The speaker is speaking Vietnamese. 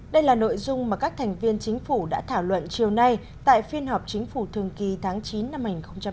đây là nội dung mà các thành viên chính phủ đã thảo luận chiều nay tại phiên họp chính phủ thường kỳ tháng chín năm hai nghìn hai mươi